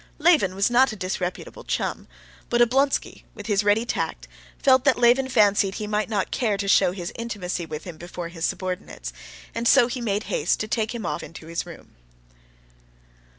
Levin was not a disreputable chum, but Oblonsky, with his ready tact, felt that Levin fancied he might not care to show his intimacy with him before his subordinates, and so he made haste to take him off into his room.